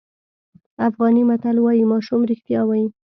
افغاني متل وایي ماشوم رښتیا وایي.